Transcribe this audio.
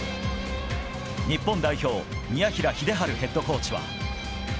日本代表、宮平秀治ヘッドコーチは。